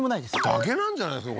崖なんじゃないですか？